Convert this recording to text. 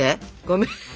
ごめん。